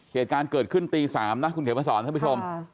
เหตุการณ์เกิดขึ้นตี๓นะคุณเขียนมาสอนท่านผู้ชม